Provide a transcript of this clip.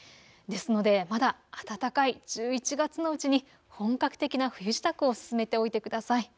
ですので、まだ暖かい１１月のうちに本格的な冬支度を進めておいてください。